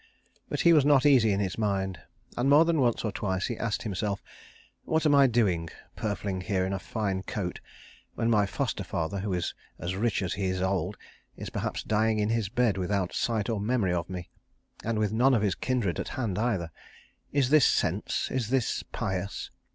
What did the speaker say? But he was not easy in his mind, and more than once or twice he asked himself, "What am I doing, purfling here in a fine coat, when my foster father, who is as rich as he is old, is perhaps dying in his bed without sight or memory of me, and with none of his kindred at hand either? Is this sense, is this pious?